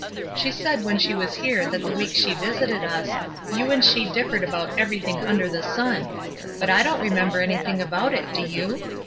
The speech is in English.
She said when she was here that the week she visited us, you and she differed about everything under the sun, but I don't remember anything about it, do you?